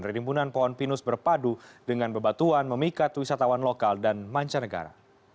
rimbunan pohon pinus berpadu dengan bebatuan memikat wisatawan lokal dan mancanegara